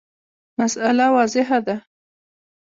مسأله واضحه ده.